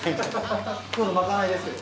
今日のまかないですけど。